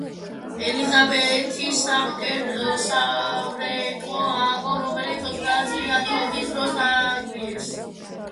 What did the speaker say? ელიზაბეთის სამრეკლო ააგო, რომელიც ოცდაათწლიანი ომის დროს დაანგრიეს.